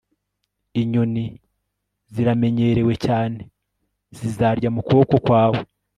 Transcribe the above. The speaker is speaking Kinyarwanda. inyoni ziramenyerewe cyane zizarya mu kuboko kwawe